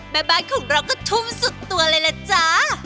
แม่บ้านของเราก็ทุ่มสุดตัวเลยล่ะจ๊ะ